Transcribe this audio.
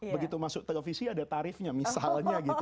begitu masuk televisi ada tarifnya misalnya gitu